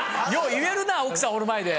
言えるな奥さんおる前で。